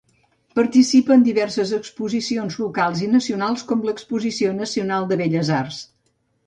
Participa en diverses exposicions locals i nacionals, com l'Exposició Nacional de Belles Arts.